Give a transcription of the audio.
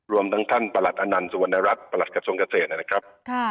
รวมทั้งท่านประหลัดอนันต์สุวรรณรัฐประหลัดกระทรวงเกษตรนะครับ